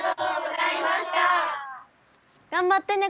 頑張ってね